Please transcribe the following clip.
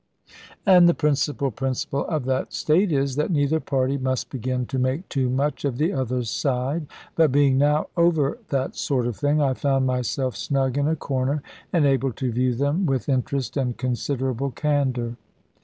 And the principal principle of that state is, that neither party must begin to make too much of the other side. But being now over that sort of thing, I found myself snug in a corner, and able to view them with interest and considerable candour.